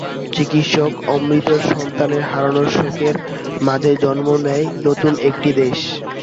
চিকিৎসক অমৃতের সন্তান হারানোর শোকের মাঝে জন্ম নেয় নতুন একটি দেশ।